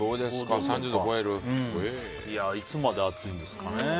いつまで暑いんですかね。